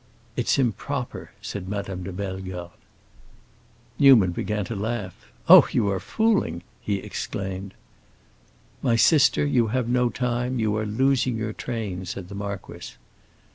"It's improper," said Madame de Bellegarde. Newman began to laugh. "Oh, you are fooling!" he exclaimed. "My sister, you have no time; you are losing your train," said the marquis.